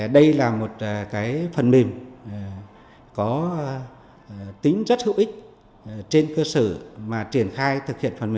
đây là một phần mềm có tính rất hữu ích trên cơ sở mà triển khai thực hiện phần mềm